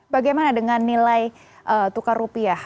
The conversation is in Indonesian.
bagaimana dengan nilai tukar rupiah